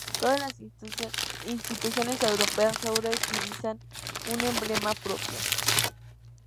Todas las instituciones europeas ahora utilizan un emblema propio.